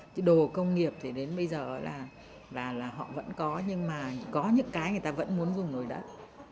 chứ đồ công nghiệp thì đến bây giờ là họ vẫn có nhưng mà có những cái người ta vẫn muốn dùng nồi đất